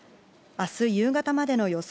明日夕方までの予想